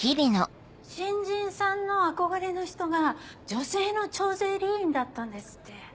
新人さんの憧れの人が女性の徴税吏員だったんですって。